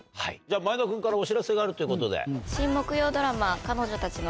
前田君からお知らせがあるということで。